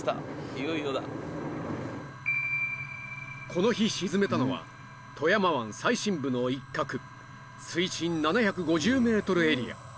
いよいよだこの日沈めたのは富山湾最深部の一画水深７５０ｍエリア！